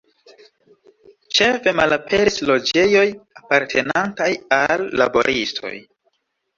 Ĉefe malaperis loĝejoj apartenantaj al laboristoj.